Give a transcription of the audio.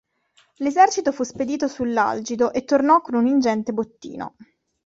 L'esercito fu spedito sull'Algido e tornò con un ingente bottino.